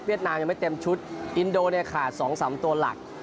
เวียดนามยังไม่เต็มชุดอินโดเนี่ยขาดสองสามตัวหลัก